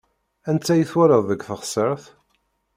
Anta i twalaḍ deg teɣseṛt?